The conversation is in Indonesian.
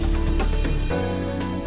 terima kasih pak desy